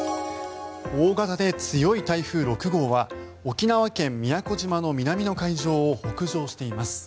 大型で強い台風６号は沖縄県・宮古島の南の海上を北上しています。